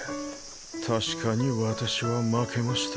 確かに私は負けました